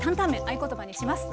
合言葉にします。